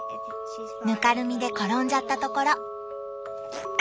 ぬかるみで転んじゃったところ。